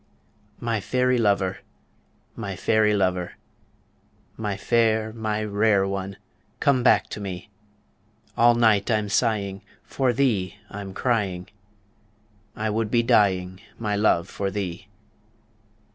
My fairy lover, my fairy lover, My fair, my rare one, come back to me All night I'm sighing, for thee I'm crying, I would be dying, my love, for thee.